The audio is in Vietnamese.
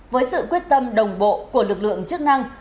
với sự quyết tâm đồng bộ của lực lượng chức năng